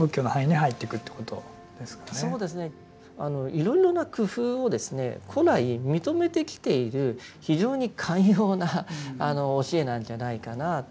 いろいろな工夫を古来認めてきている非常に寛容な教えなんじゃないかなあというふうに思います。